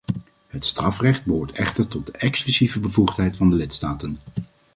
Het strafrecht behoort echter tot de exclusieve bevoegdheid van de lidstaten.